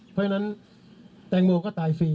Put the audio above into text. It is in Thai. เพราะฉะนั้นแตงโมก็ตายฟรี